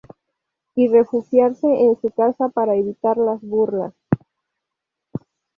Y refugiarse en su casa para evitar las burlas.